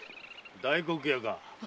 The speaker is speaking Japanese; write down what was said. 大黒屋か。